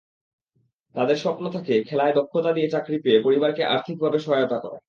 তাঁদের স্বপ্ন থাকে, খেলায় দক্ষতা দিয়ে চাকরি পেয়ে পরিবারকে আর্থিকভাবে সহায়তা করা।